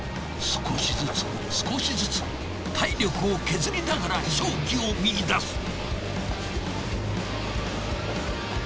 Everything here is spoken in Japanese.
少しずつ少しずつ体力を削りながら勝機を見いだす。